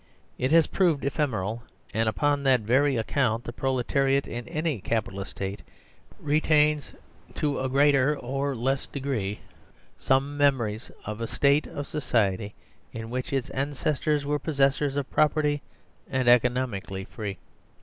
It has proved ephemeral ; and upon that very account the proletariat in any Capitalist State retains to a greater or less degree some memories of a state of society in which its ancestors were possessors of property and economically free.